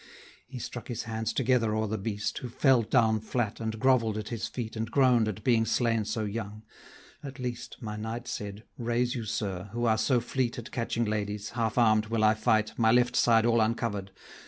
He struck his hands together o'er the beast, Who fell down flat, and grovell'd at his feet, And groan'd at being slain so young: At least, My knight said, rise you, sir, who are so fleet At catching ladies, half arm'd will I fight, My left side all uncovered!